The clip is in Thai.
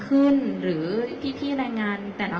คุณอยู่ในโรงพยาบาลนะ